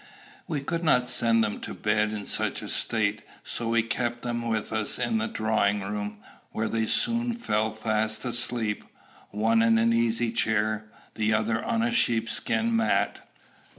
We could not send them to bed in such a state; so we kept them with us in the drawing room, where they soon fell fast asleep, one in an easy chair, the other on a sheepskin mat.